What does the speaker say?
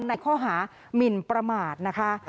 ในข้อหามินประมาทนะคะ